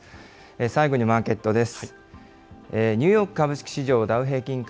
最後にマーケットです。